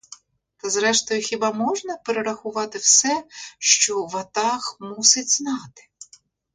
Та зрештою хіба можна перерахувати все, що ватаг мусить знати?